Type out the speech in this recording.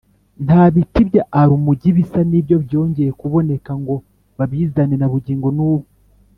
Nta biti bya alumugi bisa n’ibyo byongeye kuboneka ngo babizane na bugingo n’ubu